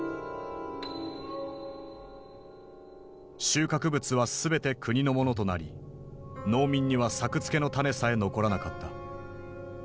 収穫物は全て国のものとなり農民には作付けの種さえ残らなかった。